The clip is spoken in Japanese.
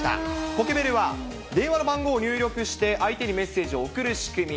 ポケベルは電話の番号を入力して相手にメッセージを送る仕組み。